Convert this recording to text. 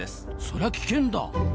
そりゃ危険だ！